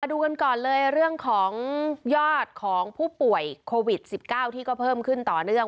ดูกันก่อนเลยเรื่องของยอดของผู้ป่วยโควิด๑๙ที่ก็เพิ่มขึ้นต่อเนื่อง